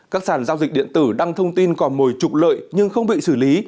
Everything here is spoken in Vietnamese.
các sản giao dịch điện tử đăng thông tin cò mồi trục lợi nhưng không bị xử lý